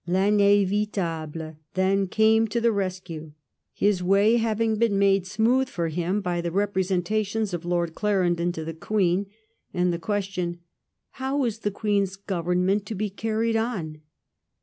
Vin&vitable then came to the rescue, his way having been made smooth for him by the representations of Lord Clarendon to the Queen ; and the question, '* How is the Queen's Government to be carried on